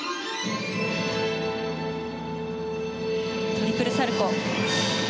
トリプルサルコウ。